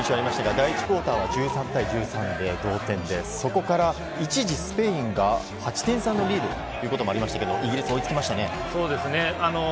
第１クオーターは１３対１３、そこから一時、スペインが８点差のリードということもありましたが、イギリス追いつきましたね。